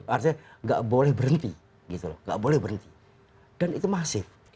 artinya nggak boleh berhenti gitu loh nggak boleh berhenti dan itu masif